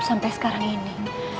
sampai sekarang ini